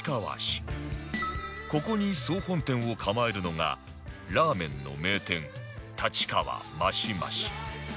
ここに総本店を構えるのがラーメンの名店立川マシマシ